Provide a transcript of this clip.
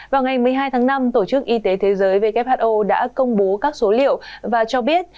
vào ngày một mươi hai tháng năm tổ chức y tế thế giới who đã công bố các số liệu và cho biết